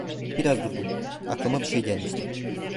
Biraz durdum, aklıma bir şey gelmişti.